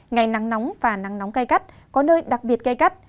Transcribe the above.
ngày nắng nóng và nắng nóng cay cắt có nơi đặc biệt cay cắt